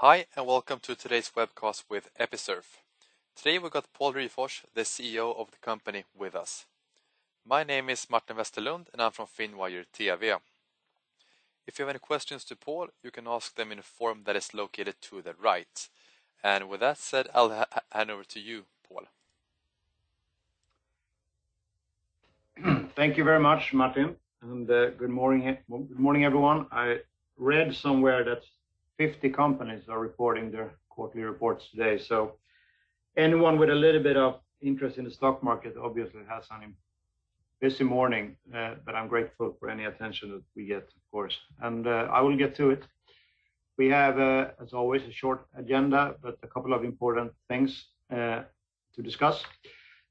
Hi, and welcome to today's webcast with Episurf. Today we've got Pål Ryfors, the CEO of the company, with us. My name is Martin Westerlund, and I'm from Finwire TV. If you have any questions to Pål, you can ask them in a form that is located to the right. With that said, I'll hand over to you, Pål. Thank you very much, Martin. Good morning, everyone. I read somewhere that 50 companies are reporting their quarterly reports today. Anyone with a little bit of interest in the stock market obviously has had a busy morning. I'm grateful for any attention that we get, of course. I will get to it. We have, as always, a short agenda, but a couple of important things to discuss.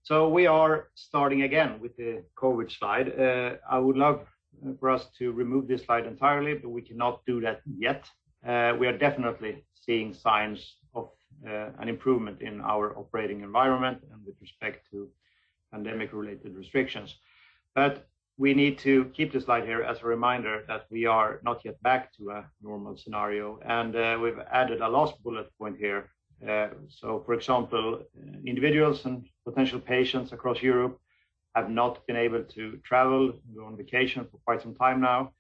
We are starting again with the COVID slide. I would love for us to remove this slide entirely, but we cannot do that yet. We are definitely seeing signs of an improvement in our operating environment and with respect to pandemic-related restrictions. We need to keep this slide here as a reminder that we are not yet back to a normal scenario, and we've added a last bullet point here. For example, individuals and potential patients across Europe have not been able to travel or go on vacation for quite some time now.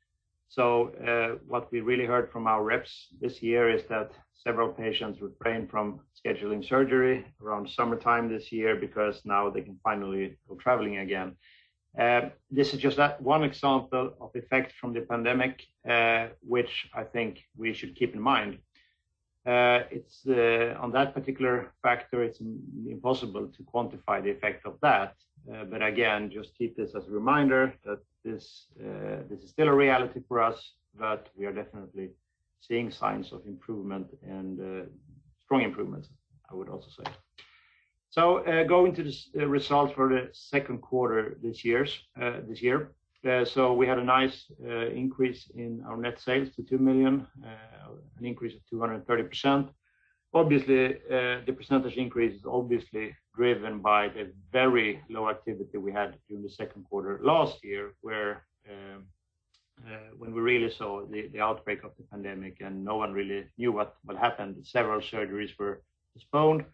What we really heard from our reps this year is that several patients refrain from scheduling surgery around summertime this year because now they can finally go traveling again. This is just one example of effects from the pandemic, which I think we should keep in mind. On that particular factor, it's impossible to quantify the effect of that. Again, just keep this as a reminder that this is still a reality for us, but we are definitely seeing signs of improvement and strong improvements, I would also say. Going to the results for the second quarter this year. We had a nice increase in our net sales to 2 million, an increase of 230%. Obviously, the percentage increase is obviously driven by the very low activity we had during the second quarter last year, when we really saw the outbreak of the pandemic and no one really knew what happened. Several surgeries were postponed,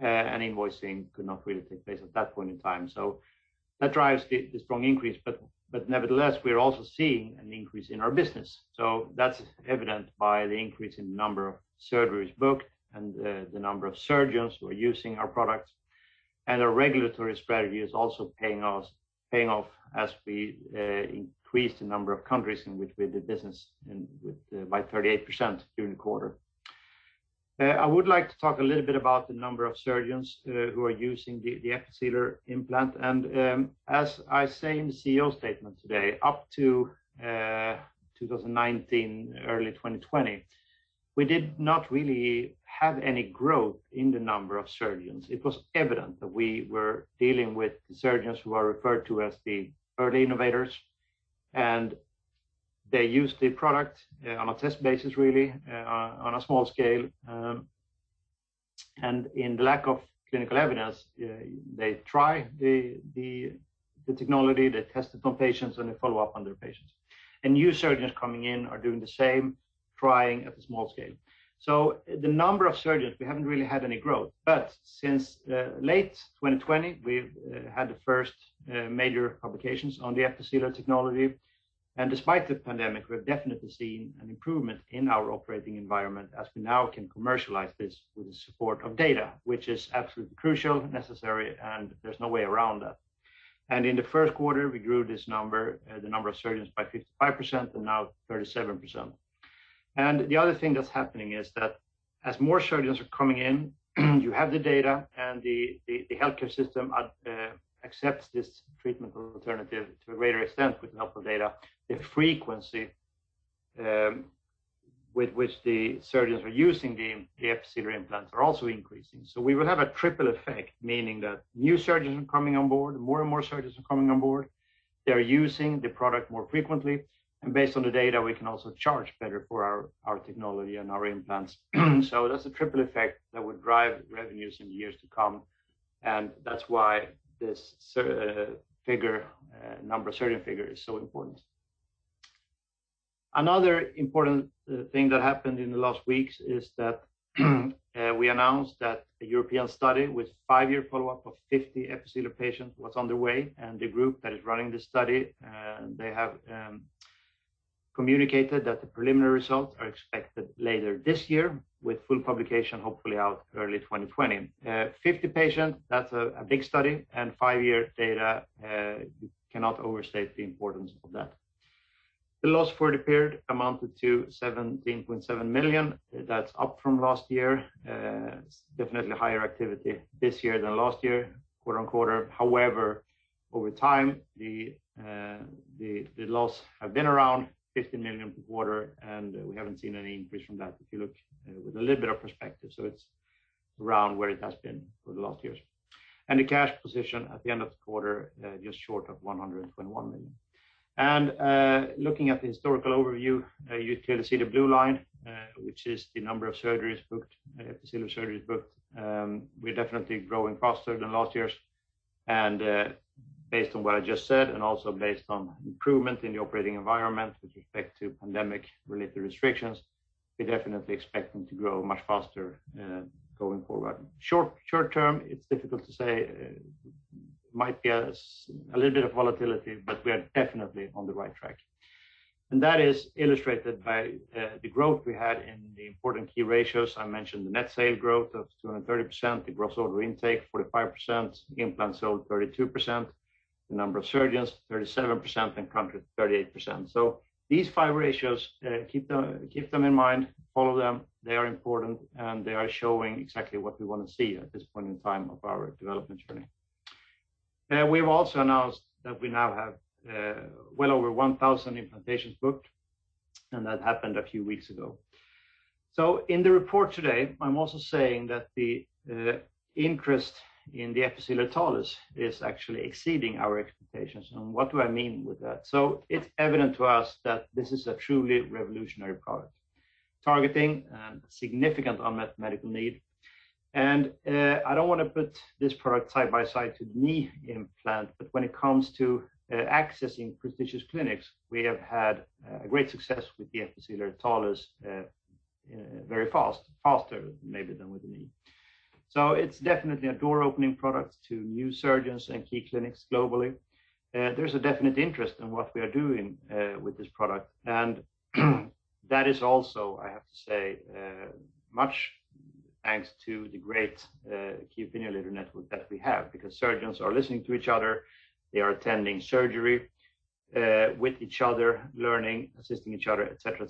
and invoicing could not really take place at that point in time. That drives the strong increase, but nevertheless, we're also seeing an increase in our business. That's evident by the increase in the number of surgeries booked and the number of surgeons who are using our products. Our regulatory strategy is also paying off as we increase the number of countries in which we did business by 38% during the quarter. I would like to talk a little bit about the number of surgeons who are using the Episealer implant. As I say in the CEO statement today, up to 2019, early 2020, we did not really have any growth in the number of surgeons. It was evident that we were dealing with surgeons who are referred to as the early innovators, and they used the product on a test basis, really, on a small scale. In lack of clinical evidence, they try the technology, they test it on patients, and they follow up on their patients. New surgeons coming in are doing the same, trying at a small scale. The number of surgeons, we haven't really had any growth. Since late 2020, we've had the first major publications on the Episealer technology. Despite the pandemic, we've definitely seen an improvement in our operating environment as we now can commercialize this with the support of data, which is absolutely crucial, necessary, and there's no way around that. In the first quarter, we grew this number, the number of surgeons by 55% and now 37%. The other thing that's happening is that as more surgeons are coming in, you have the data, and the healthcare system accepts this treatment alternative to a greater extent with the help of data. The frequency with which the surgeons are using the Episealer implants are also increasing. We will have a triple effect, meaning that new surgeons are coming on board, more and more surgeons are coming on board. They're using the product more frequently. Based on the data, we can also charge better for our technology and our implants. that's the triple effect that would drive revenues in years to come, and that's why this number of surgeons figure is so important. Another important thing that happened in the last weeks is that we announced that a European study with five-year follow-up of 50 Episealer patients was underway. the group that is running this study, they have communicated that the preliminary results are expected later this year with full publication, hopefully out early 2020. 50 patients, that's a big study, and five-year data, you cannot overstate the importance of that. The loss for the period amounted to 17.7 million. That's up from last year. Definitely higher activity this year than last year, quarter-on-quarter. However, over time, the loss have been around 50 million per quarter, and we haven't seen any increase from that if you look with a little bit of perspective. It's around where it has been for the last years. The cash position at the end of the quarter, just short of 121 million. Looking at the historical overview, you can see the blue line, which is the number of surgeries booked, Episealer surgeries booked. We're definitely growing faster than last year's. Based on what I just said, and also based on improvement in the operating environment with respect to pandemic-related restrictions, we're definitely expecting to grow much faster going forward. Short term, it's difficult to say. Might be a little bit of volatility, but we are definitely on the right track. That is illustrated by the growth we had in the important key ratios. I mentioned the net sale growth of 230%, the gross order intake, 45%, implants sold, 32%, the number of surgeons, 37%, and countries, 38%. These five ratios, keep them in mind, follow them. They are important, and they are showing exactly what we want to see at this point in time of our development journey. We've also announced that we now have well over 1,000 implantations booked, and that happened a few weeks ago. In the report today, I'm also saying that the interest in the Episealer Talus is actually exceeding our expectations. What do I mean with that? It's evident to us that this is a truly revolutionary product targeting a significant unmet medical need. I don't want to put this product side by side to the knee implant, but when it comes to accessing prestigious clinics, we have had great success with the Episealer Talus very fast, faster maybe than with the knee. It's definitely a door-opening product to new surgeons and key clinics globally. There's a definite interest in what we are doing with this product. That is also, I have to say, much thanks to the great key opinion leader network that we have, because surgeons are listening to each other, they are attending surgery with each other, learning, assisting each other, et cetera.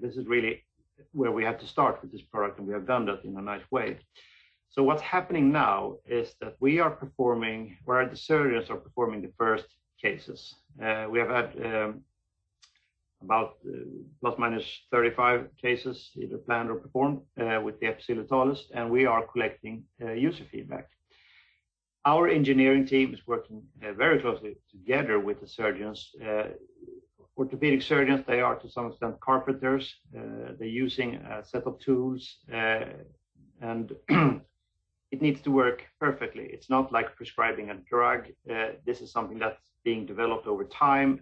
This is really where we have to start with this product. We have done that in a nice way. What's happening now is that we are performing where the surgeons are performing the first cases. We have had about ±35 cases, either planned or performed, with the Episealer Talus. We are collecting user feedback. Our engineering team is working very closely together with the surgeons. Orthopedic surgeons, they are to some extent carpenters. They're using a set of tools. It needs to work perfectly. It's not like prescribing a drug. This is something that's being developed over time.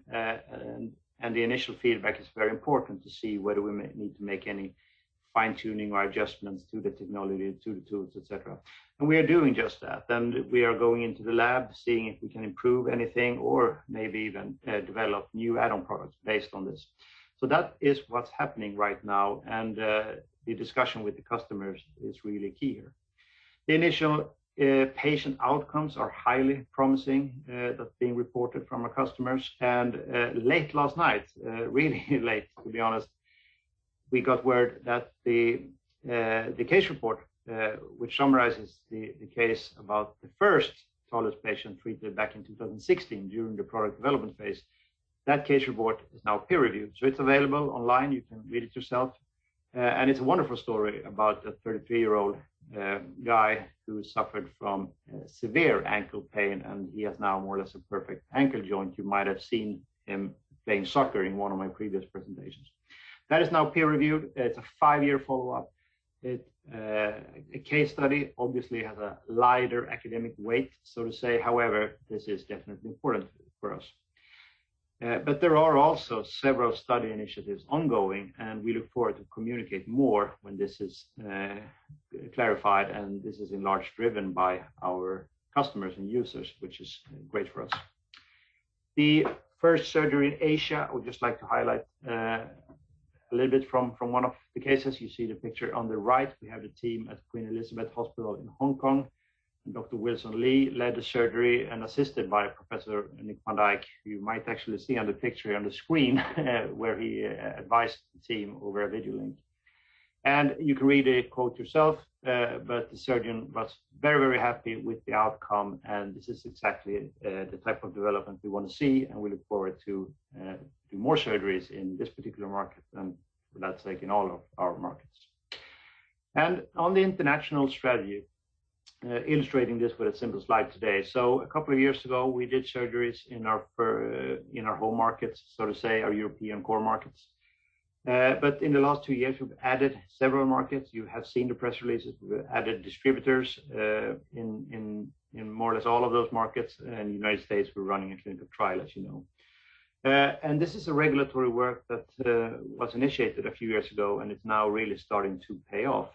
The initial feedback is very important to see whether we need to make any fine-tuning or adjustments to the technology, to the tools, et cetera. We are doing just that. We are going into the lab, seeing if we can improve anything or maybe even develop new add-on products based on this. That is what's happening right now. The discussion with the customers is really key here. The initial patient outcomes are highly promising, that are being reported from our customers. Late last night, really late, to be honest, we got word that the case report, which summarizes the case about the first Talus patient treated back in 2016 during the product development phase, that case report is now peer-reviewed. It's available online, you can read it yourself. It's a wonderful story about a 33-year-old guy who suffered from severe ankle pain, and he has now more or less a perfect ankle joint. You might have seen him playing soccer in one of my previous presentations. That is now peer-reviewed. It's a five-year follow-up. A case study obviously has a lighter academic weight, so to say. However, this is definitely important for us. There are also several study initiatives ongoing, and we look forward to communicate more when this is clarified, and this is in large driven by our customers and users, which is great for us. The first surgery in Asia, I would just like to highlight a little bit from one of the cases. You see the picture on the right. We have the team at Queen Elizabeth Hospital in Hong Kong. Dr. Wilson Li led the surgery and assisted by Professor Niek van Dijk, who you might actually see on the picture on the screen, where he advised the team over a video link. You can read the quote yourself, but the surgeon was very happy with the outcome. This is exactly the type of development we want to see, and we look forward to do more surgeries in this particular market, and for that sake, in all of our markets. On the international strategy, illustrating this with a simple slide today. Two years ago, we did surgeries in our home markets, so to say, our European core markets. In the last two years, we've added several markets. You have seen the press releases. We've added distributors in more or less all of those markets. In the U.S., we're running a clinical trial, as you know. This is a regulatory work that was initiated a few years ago, and it's now really starting to pay off.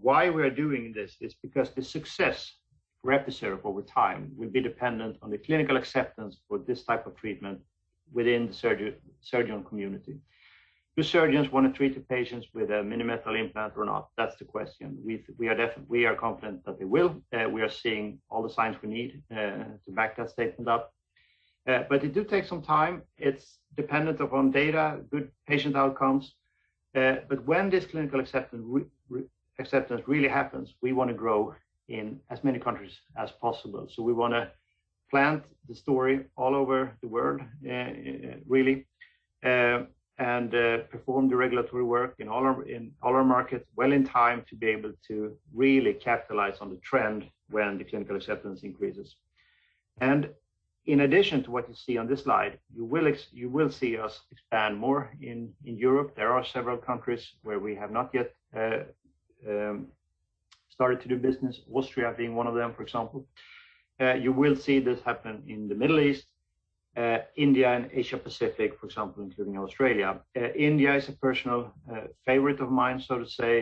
Why we are doing this is because the success for Episurf over time will be dependent on the clinical acceptance for this type of treatment within the surgeon community. Do surgeons want to treat the patients with a minimal implant or not? That's the question. We are confident that they will. We are seeing all the signs we need to back that statement up. It do take some time. It's dependent upon data, good patient outcomes. When this clinical acceptance really happens, we want to grow in as many countries as possible. We want to plant the story all over the world, really, and perform the regulatory work in all our markets well in time to be able to really capitalize on the trend when the clinical acceptance increases. In addition to what you see on this slide, you will see us expand more in Europe. There are several countries where we have not yet started to do business, Austria being one of them, for example. You will see this happen in the Middle East, India, and Asia Pacific, for example, including Australia. India is a personal favorite of mine, so to say.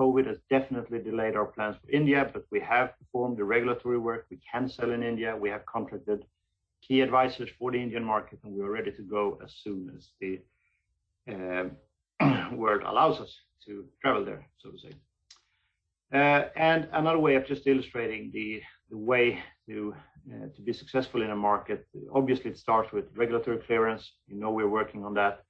COVID has definitely delayed our plans for India, but we have performed the regulatory work. We can sell in India. We have contracted key advisors for the Indian market, and we are ready to go as soon as the world allows us to travel there, so to say. Another way of just illustrating the way to be successful in a market, obviously, it starts with regulatory clearance. You know we're working on that.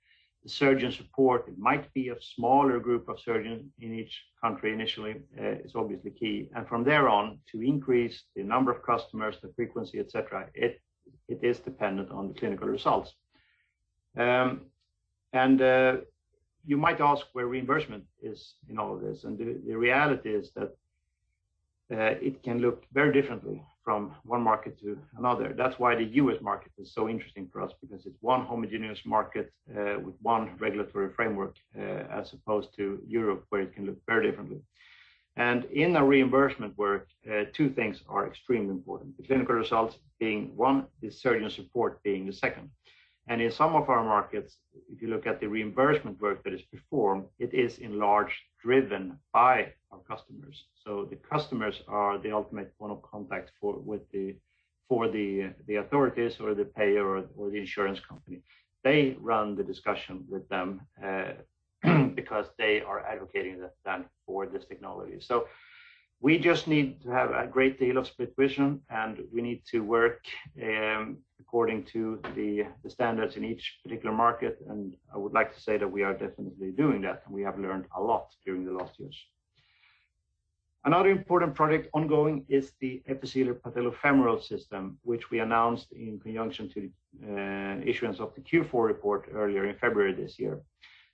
The surgeon support, it might be a smaller group of surgeons in each country initially, is obviously key. From there on, to increase the number of customers, the frequency, et cetera, it is dependent on the clinical results. You might ask where reimbursement is in all of this. The reality is that it can look very differently from one market to another. That's why the U.S. market is so interesting for us because it's one homogeneous market with one regulatory framework, as opposed to Europe, where it can look very differently. In a reimbursement work, two things are extremely important. The clinical results being one, the surgeon support being the second. In some of our markets, if you look at the reimbursement work that is performed, it is in large driven by our customers. The customers are the ultimate point of contact for the authorities or the payer or the insurance company. They run the discussion with them because they are advocating then for this technology. We just need to have a great deal of split vision, and we need to work according to the standards in each particular market, and I would like to say that we are definitely doing that, and we have learned a lot during the last years. Another important project ongoing is the Episealer Patellofemoral System, which we announced in conjunction to the issuance of the Q4 report earlier in February this year.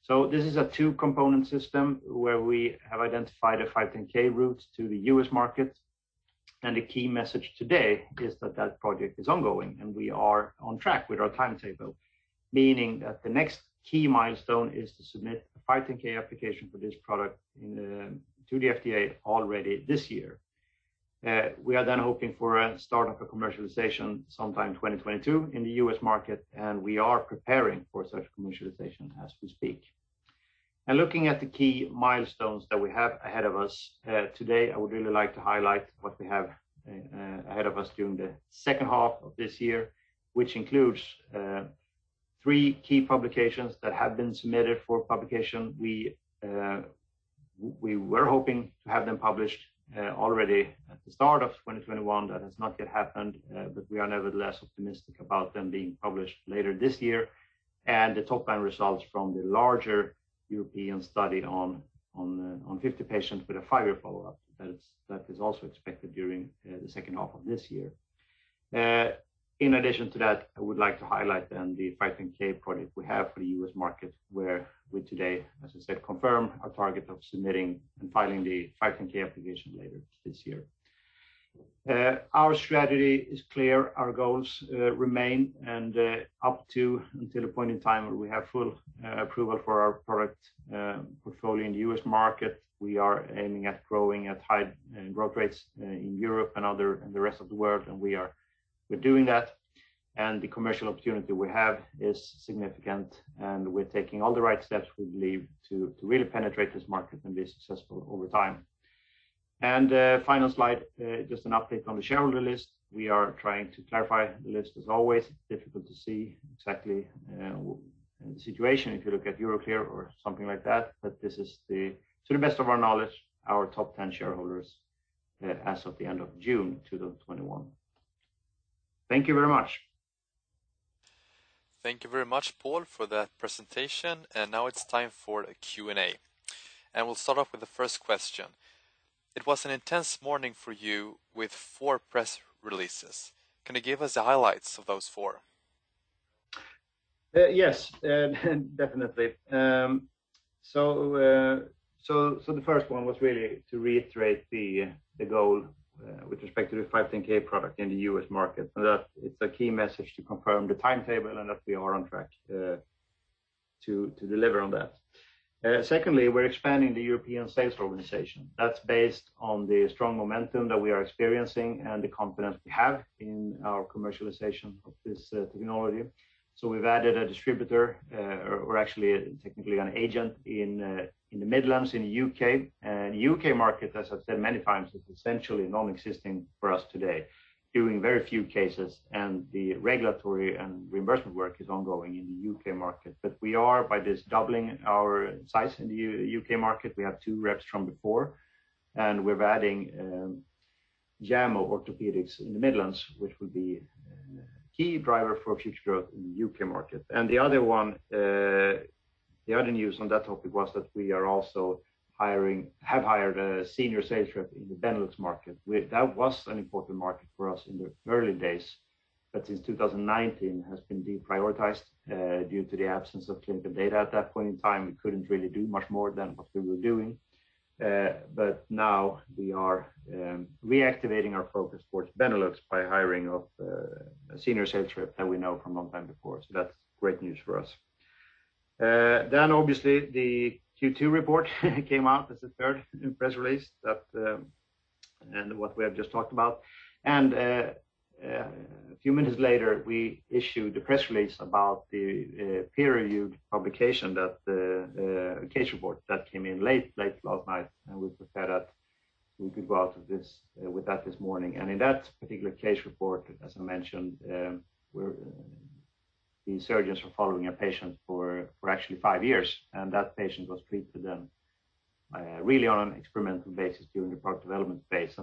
This is a two-component system where we have identified a 510 route to the U.S. market. The key message today is that that project is ongoing, and we are on track with our timetable, meaning that the next key milestone is to submit a 510(k) application for this product to the FDA already this year. We are hoping for a start-up of commercialization sometime 2022 in the U.S. market, and we are preparing for such commercialization as we speak. Looking at the key milestones that we have ahead of us today, I would really like to highlight what we have ahead of us during the second half of this year, which includes three key publications that have been submitted for publication. We were hoping to have them published already at the start of 2021. That has not yet happened, but we are nevertheless optimistic about them being published later this year. The top-line results from the larger European study on 50 patients with a five-year follow-up, that is also expected during the second half of this year. In addition to that, I would like to highlight then the 510 project we have for the U.S. market, where we today, as I said, confirm our target of submitting and filing the 510 application later this year. Our strategy is clear, our goals remain, and up to until the point in time where we have full approval for our product portfolio in the U.S. market, we are aiming at growing at high growth rates in Europe and the rest of the world, and we're doing that. the commercial opportunity we have is significant, and we're taking all the right steps, we believe, to really penetrate this market and be successful over time. Final slide, just an update on the shareholder list. We are trying to clarify the list as always. Difficult to see exactly the situation if you look at Euroclear or something like that. This is, to the best of our knowledge, our top 10 shareholders as of the end of June 2021. Thank you very much. Thank you very much, Pål, for that presentation. now it's time for a Q&A. we'll start off with the first question. It was an intense morning for you with four press releases. Can you give us the highlights of those four? Yes, definitely. The first one was really to reiterate the goal with respect to the 510(k) product in the U.S. market, and that it's a key message to confirm the timetable and that we are on track to deliver on that. Secondly, we're expanding the European sales organization. That's based on the strong momentum that we are experiencing and the confidence we have in our commercialization of this technology. We've added a distributor, or actually, technically an agent in the Midlands in the U.K. U.K. market, as I've said many times, is essentially non-existing for us today, doing very few cases, and the regulatory and reimbursement work is ongoing in the U.K. market. We are, by this, doubling our size in the U.K. market. We have two reps from before, and we're adding JAMO Orthopaedics in the Midlands, which will be a key driver for future growth in the U.K. market. The other news on that topic was that we have hired a senior sales rep in the Benelux market. That was an important market for us in the early days. Since 2019, has been deprioritized due to the absence of clinical data. At that point in time, we couldn't really do much more than what we were doing. Now we are reactivating our focus towards Benelux by hiring of a senior sales rep that we know from a long time before. That's great news for us. Obviously the Q2 report came out as a third press release and what we have just talked about. A few minutes later, we issued a press release about the peer-reviewed publication, the case report that came in late last night, and we prepared that we could go out with that this morning. In that particular case report, as I mentioned, the surgeons were following a patient for actually five years, and that patient was treated then really on an experimental basis during the product development phase.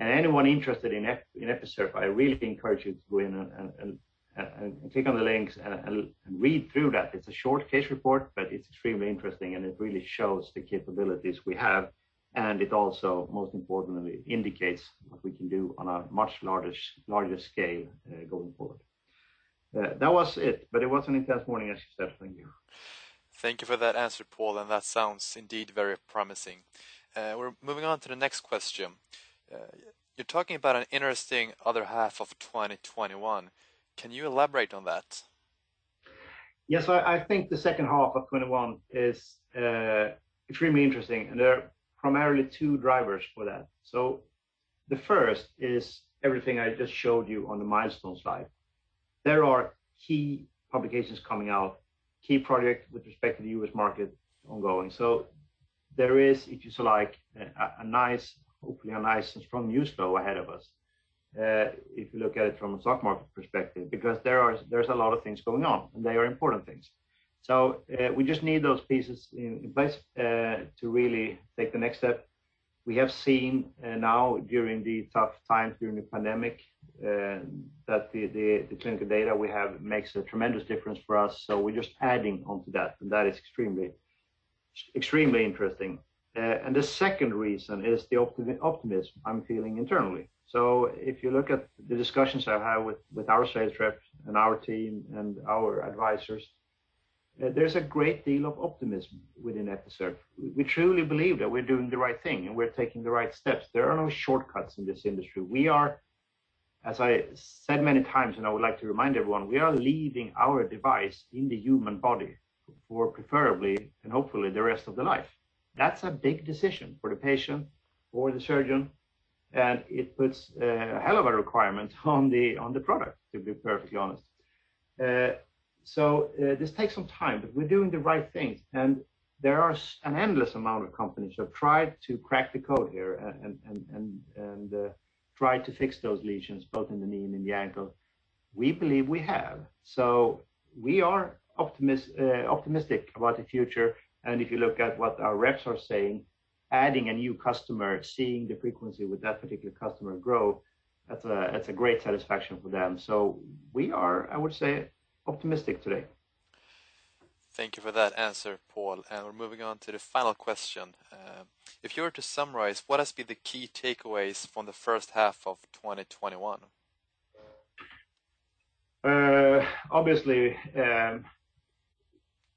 Anyone interested in Episurf, I really encourage you to go in and click on the links and read through that. It's a short case report, but it's extremely interesting, and it really shows the capabilities we have, and it also, most importantly, indicates what we can do on a much larger scale going forward. That was it, but it was an intense morning, as I said for you. Thank you for that answer, Pål, and that sounds indeed very promising. We're moving on to the next question. You're talking about an interesting other half of 2021. Can you elaborate on that? Yes. I think the second half of 2021 is extremely interesting, and there are primarily two drivers for that. The first is everything I just showed you on the milestones slide. There are key publications coming out, key projects with respect to the U.S. market ongoing. There is, if you like, hopefully a nice and strong news flow ahead of us if you look at it from a stock market perspective, because there's a lot of things going on, and they are important things. We just need those pieces in place to really take the next step. We have seen now during the tough times during the pandemic that the clinical data we have makes a tremendous difference for us, so we're just adding onto that, and that is extremely interesting. The second reason is the optimism I'm feeling internally. If you look at the discussions I have with our sales reps and our team and our advisors, there's a great deal of optimism within Episurf. We truly believe that we're doing the right thing, and we're taking the right steps. There are no shortcuts in this industry. We are, as I said many times, and I would like to remind everyone, we are leaving our device in the human body for preferably and hopefully the rest of the life. That's a big decision for the patient or the surgeon, and it puts a hell of a requirement on the product, to be perfectly honest. This takes some time, but we're doing the right things, and there are an endless amount of companies who have tried to crack the code here and tried to fix those lesions, both in the knee and in the ankle. We believe we have. We are optimistic about the future, if you look at what our reps are saying, adding a new customer, seeing the frequency with that particular customer grow, that's a great satisfaction for them. We are, I would say, optimistic today. Thank you for that answer, Pål, and we're moving on to the final question. If you were to summarize, what has been the key takeaways from the first half of 2021? Obviously,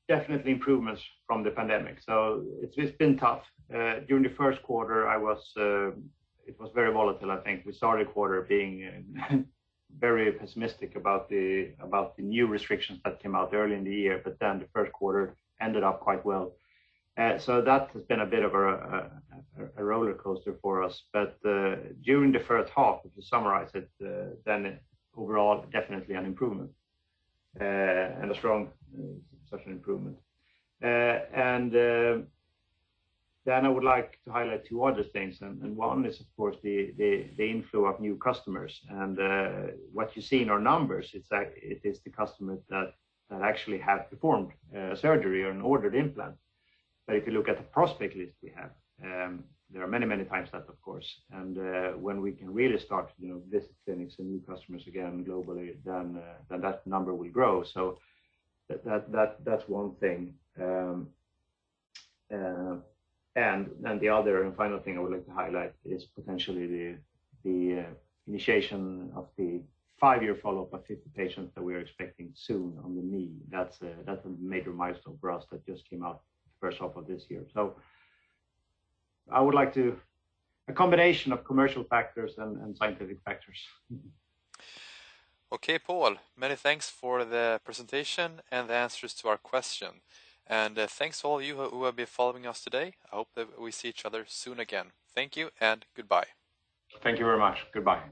definitely improvements from the pandemic. It's been tough. During the first quarter, it was very volatile, I think. We started the quarter being very pessimistic about the new restrictions that came out early in the year, but then the first quarter ended up quite well. That has been a bit of a rollercoaster for us. During the first half, if you summarize it, then overall, definitely an improvement, and a strong improvement. I would like to highlight two other things, and one is, of course, the inflow of new customers. What you see in our numbers, it is the customers that actually have performed a surgery or an ordered implant. If you look at the prospect list we have, there are many times that, of course. When we can really start visiting clinics and new customers again globally, then that number will grow. that's one thing. the other and final thing I would like to highlight is potentially the initiation of the five-year follow-up of 50 patients that we are expecting soon on the knee. That's a major milestone for us that just came out first half of this year. a combination of commercial factors and scientific factors. Okay, Pål. Many thanks for the presentation and the answers to our question. Thanks to all you who have been following us today. I hope that we see each other soon again. Thank you and goodbye. Thank you very much. Goodbye.